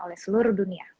oleh seluruh dunia